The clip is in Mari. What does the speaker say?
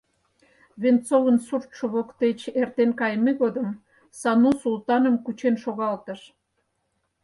Венцовын суртшо воктеч эртен кайыме годым Сану Султаным кучен шогалтыш.